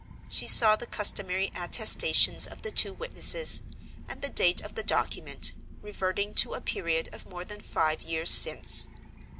She saw the customary attestations of the two witnesses; and the date of the document, reverting to a period of more than five years since.